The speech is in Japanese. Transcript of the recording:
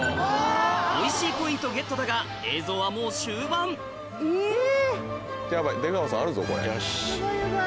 「おいしい」ポイントゲットだが映像はもう終盤ヤバい